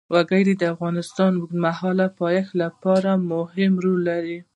وګړي د افغانستان د اوږدمهاله پایښت لپاره یو مهم رول لري.